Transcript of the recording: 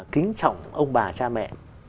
kính trọng ông bà cha mẹ